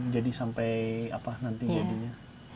jadi sampai apa nantinya